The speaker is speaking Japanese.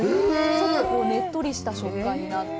ちょっとねっとりした食感になって。